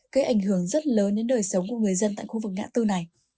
gây ảnh hưởng rất lớn đến đời sống của người dân tại khu vực ngã tư này